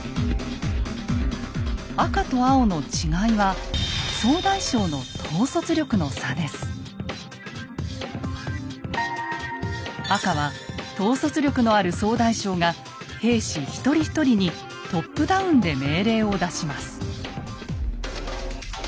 赤と青の違いは総大将の赤は統率力のある総大将が兵士一人一人にトップダウンで命令を出します。